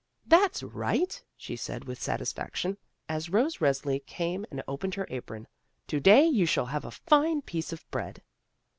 "That's right," she said with satisfaction as Rose Resli came and opened her apron, "to day you shall have a fine piece of bread."